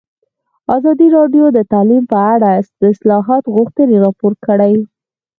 ازادي راډیو د تعلیم په اړه د اصلاحاتو غوښتنې راپور کړې.